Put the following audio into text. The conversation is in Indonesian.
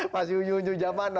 masih unyu unyu zaman